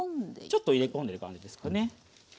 ちょっと入れ込んでいる感じですかね。